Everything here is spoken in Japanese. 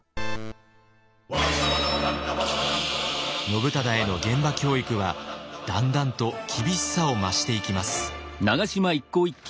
信忠への現場教育はだんだんと厳しさを増していきます。